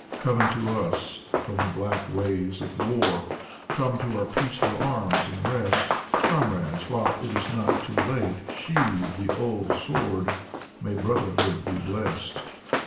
Come unto us, from the black ways of war, Come to our peaceful arms and rest. Comrades, while it is not too late. Sheathe the old sword. May brotherhood be blest.